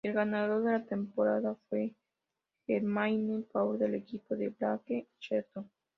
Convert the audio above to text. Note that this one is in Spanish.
El ganador de la temporada fue Jermaine Paul del equipo de Blake Shelton.